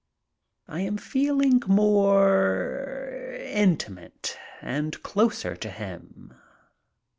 I am feeling more intimate and closer to him.